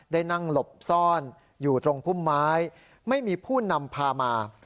ได้นั่งหลบซ่อนอยู่ตรงพุ่มไม้ไม่มีผู้นำพามา